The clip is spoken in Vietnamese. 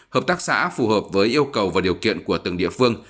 hợp tác xã phù hợp với yêu cầu và điều kiện của từng địa phương